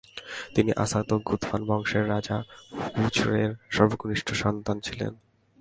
তিনি আসাদ ও ঘুতফান বংশের রাজা হূযরের সর্বকনিষ্ঠ সন্তান ছিলেন।